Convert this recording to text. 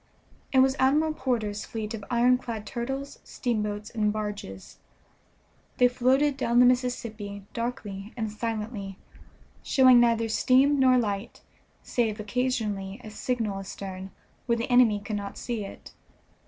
It was Admiral Porter's fleet of ironclad turtles, steamboats, and barges. They floated down the Mississippi darkly and silently, showing neither steam nor light, save occasionally a signal astern, where the enemy could not see it.